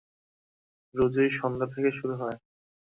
রোজই সন্ধ্যা থেকে শুরু হয়।